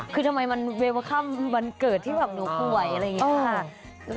คือทำไมมันเวเวอร์ค่ำวันเกิดที่แบบหนูป่วยอะไรอย่างนี้ค่ะ